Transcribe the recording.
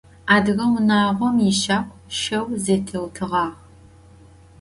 Adıge vunağom yişagu şeu zetêutığağ.